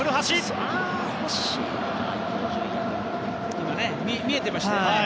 今、見えていましたよね。